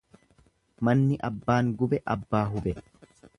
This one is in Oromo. Manni abbaan gube abbaa hube.